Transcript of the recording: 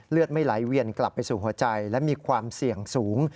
ไม่ไหลเวียนกลับไปสู่หัวใจและมีความเสี่ยงสูง